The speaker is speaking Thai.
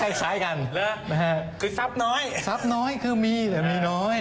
ให้ใช้กันคือซับน้อยซับน้อยคือมีแต่มีน้อย